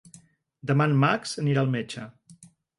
Demà en Max anirà al metge.